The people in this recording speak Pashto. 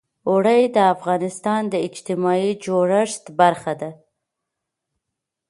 اوړي د افغانستان د اجتماعي جوړښت برخه ده.